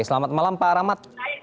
selamat malam pak rahmat